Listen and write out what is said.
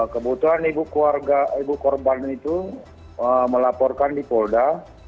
kebutuhan ibu korban itu melaporkan di polda